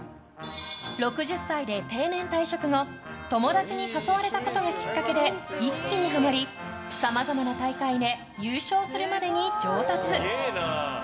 ６０歳で定年退職後友達に誘われたことがきっかけで一気にハマり、さまざまな大会で優勝するまでに上達。